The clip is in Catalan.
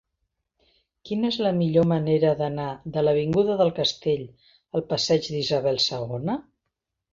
Quina és la millor manera d'anar de l'avinguda del Castell al passeig d'Isabel II?